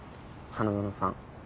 花園さん。